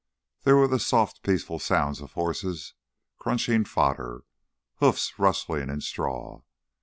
There were the soft peaceful sounds of horses crunching fodder, hoofs rustling in straw.